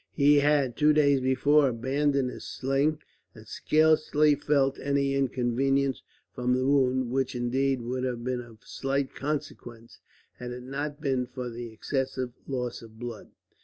He had, two days before, abandoned his sling; and scarcely felt any inconvenience from the wound, which indeed would have been of slight consequence, had it not been for the excessive loss of blood.